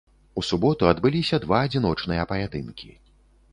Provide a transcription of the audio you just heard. У суботу адбыліся два адзіночныя паядынкі.